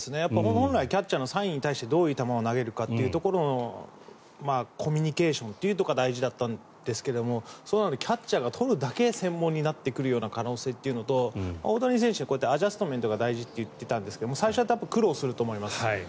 本来キャッチャーのサインに対してどういう球を投げるかというところのコミュニケーションとかが大事だったんですがそうなるとキャッチャーがとるだけ専門になってくる可能性というのと大谷選手、こうやってアジャストメントが大事って言っていたんですが最初は苦労すると思います。